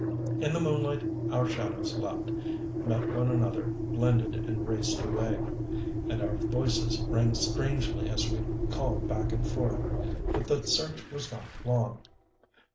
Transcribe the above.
In the moonlight our shadows leaped, met one another, blended and raced away; and our voices rang strangely as we called back and forth. But the search was not long.